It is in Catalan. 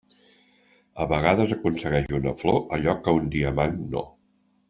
A vegades aconsegueix una flor allò que un diamant no.